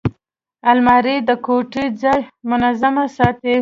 الماري د کوټې ځای منظمه ساتي